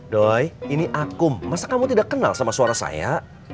doy ini akum masa kamu tidak kenal sama suara saya